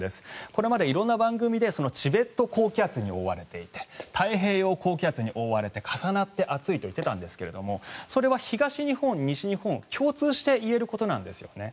これまで色んな番組でチベット高気圧に覆われていて太平洋高気圧に覆われて重なって暑いと言っていたんですがそれは東日本、西日本共通して言えることなんですよね。